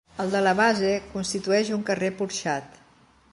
El de la base constitueix un carrer porxat.